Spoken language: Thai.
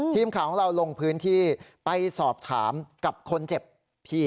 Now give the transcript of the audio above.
ทีมข่าวของเราลงพื้นที่ไปสอบถามกับคนเจ็บพี่